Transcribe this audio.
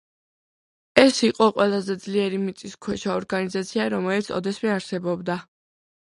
ეს იყო ყველაზე ძლიერი მიწისქვეშა ორგანიზაცია, რომელიც ოდესმე არსებობდა.